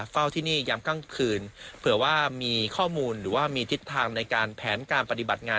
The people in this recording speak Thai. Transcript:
เฝ้าที่นี่ยามกลางคืนเผื่อว่ามีข้อมูลหรือว่ามีทิศทางในการแผนการปฏิบัติงาน